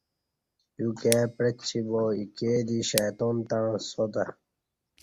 تیو کائی پعچی با ایکے دی شیطان تݩع ساتہ